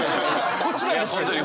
こっちなんですよ！